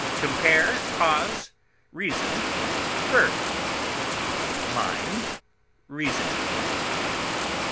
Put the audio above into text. Compare CAUSE; REASON, v.; MIND; REASONING.